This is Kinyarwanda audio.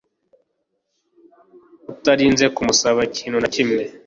Utarinze kumusaba ikintu na kimwe